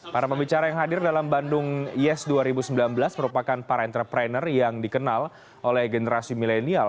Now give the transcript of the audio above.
para pembicara yang hadir dalam bandung yes dua ribu sembilan belas merupakan para entrepreneur yang dikenal oleh generasi milenial